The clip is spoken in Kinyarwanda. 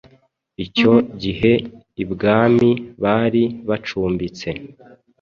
Icyo gihe ibwami bari bacumbitse